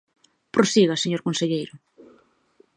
Prosiga, señor conselleiro.